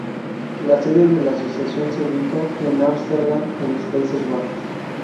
La sede de la asociación se ubica en Ámsterdam en los Países Bajos.